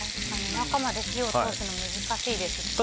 中まで火を通すの難しいですよね。